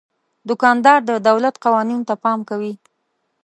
دوکاندار د دولت قوانینو ته پام کوي.